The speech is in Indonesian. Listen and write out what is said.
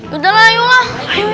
yudahlah yuk lah